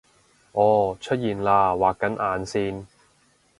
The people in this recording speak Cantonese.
噢出現喇畫緊眼線！